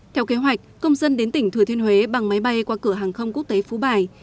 theo kế hoạch công dân đến tỉnh thừa thiên huế bằng máy bay qua cửa hàng không quốc tế phú bài